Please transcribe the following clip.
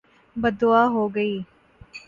بدعا ہو گئی